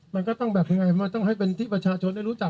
มันก็ต้องแบบยังไงมันต้องให้เป็นที่ประชาชนได้รู้จัก